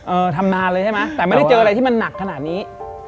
ทำนานเลยใช่ไหมแต่ไม่ได้เจออะไรที่มันหนักขนาดนี้